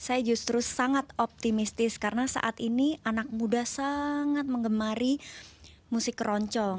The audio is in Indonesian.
saya justru sangat optimistis karena saat ini anak muda sangat mengemari musik keroncong